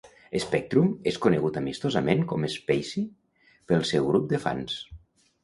Spectrum és conegut amistosament com "Speccy" pel seu grup de fans.